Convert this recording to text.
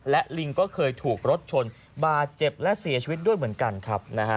และลิงก็เคยถูกรถชนบาดเจ็บและเสียชีวิตด้วยเหมือนกันครับ